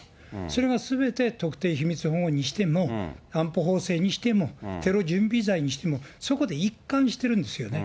それがすべて特定秘密保護にしても、安保法制にしても、テロ準備罪にしても、そこで一貫してるんですよね。